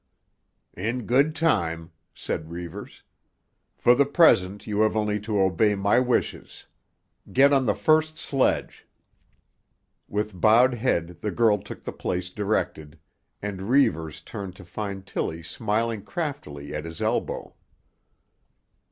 "In good time," said Reivers. "For the present, you have only to obey my wishes. Get on the first sledge." With bowed head the girl took the place directed, and Reivers turned to find Tillie smiling craftily at his elbow.